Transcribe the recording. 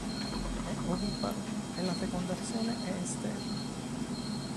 È oviparo e la fecondazione è esterna.